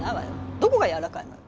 どこが柔らかいのよ。